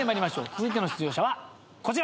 続いての出場者はこちら。